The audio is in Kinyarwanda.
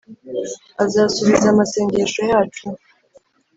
azasubiza amasengesho yacu.